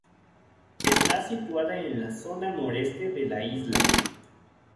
Está situada en la zona noreste de la isla.